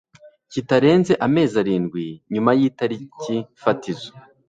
kitarenze amezi arindwi nyuma y itariki fatizo